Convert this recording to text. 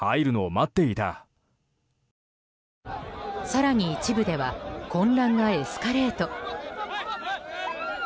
更に一部では混乱がエスカレート。